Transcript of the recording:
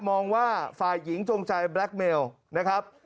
มองว่าฝ่ายหญิงจงใจแบล็คเมลนะครับ